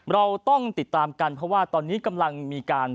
เราต้องติดตามกันเพราะว่าตอนนี้กำลังมีการ